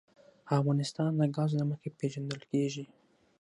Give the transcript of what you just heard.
افغانستان د ګاز له مخې پېژندل کېږي.